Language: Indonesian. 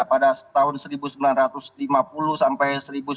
pada tahun seribu sembilan ratus lima puluh sampai seribu sembilan ratus sembilan puluh